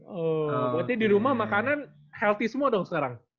oh berarti dirumah makanan healthy semua dong sekarang